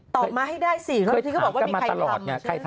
ตอบมาให้ได้สิเคยถามมาตลอด